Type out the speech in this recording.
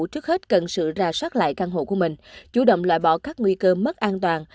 trước hết cần sự ra soát lại căn hộ của mình chủ động loại bỏ các nguy cơ mất an toàn